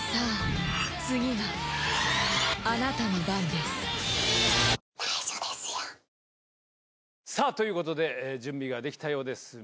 三菱電機さぁということで準備ができたようです。